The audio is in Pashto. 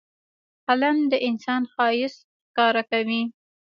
قلم د انسان ښایست ښکاره کوي